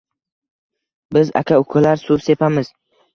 Biz aka-ukalar suv sepamiz.